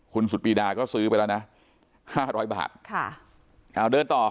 คุณสุดปีดาก็ซื้อไปแล้วนะห้าร้อยบาทค่ะเอาเดินต่อ